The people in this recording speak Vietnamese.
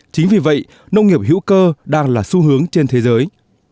chính vì vậy nông nghiệp hữu cơ đang là xu hướng trên thế giới